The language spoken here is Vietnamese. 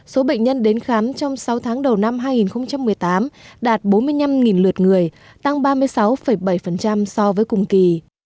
số bệnh nhân đến khám trong sáu tháng đầu năm hai nghìn một mươi tám đạt bốn mươi năm lượt người tăng ba mươi sáu bảy so với cùng kỳ